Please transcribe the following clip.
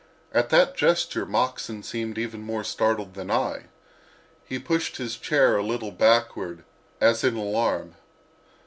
At that gesture Moxon seemed even more startled than I: he pushed his chair a little backward, as in alarm.